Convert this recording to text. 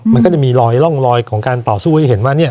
มันก็จะมีรอยร่องรอยของการต่อสู้ให้เห็นว่าเนี่ย